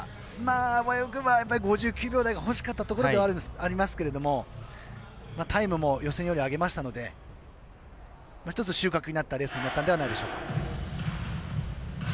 あわよくば５９秒台がほしかったところではありますけれどもタイムも予選より上げましたので一つ、収穫になったレースになったのではないでしょうか。